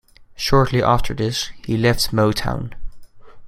Shortly after this he left Motown.